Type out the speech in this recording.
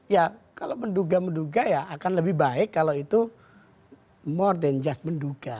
ya kalau menduga menduga ya akan lebih baik kalau itu more than just menduga